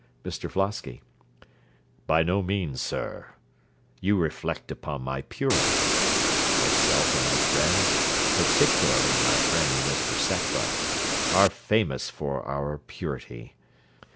MR FLOSKY By no means, sir. You reflect upon my purity. Myself and my friends, particularly my friend Mr Sackbut, are famous for our purity.